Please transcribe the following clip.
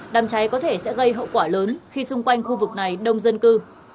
đàm cháy có thể sẽ gây hậu quả lớn khi xung quanh khu vực này đông dân cư